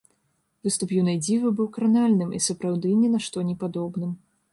Выступ юнай дзівы быў кранальным, і сапраўды ні на што не падобным.